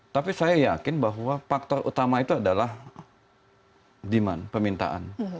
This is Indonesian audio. tapi saya yakin bahwa faktor utama itu adalah demand pemintaan